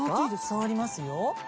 触りますよ。